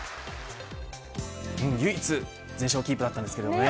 唯一全勝キープだったんですけどね。